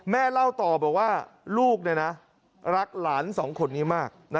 เล่าต่อบอกว่าลูกรักหลานสองคนนี้มาก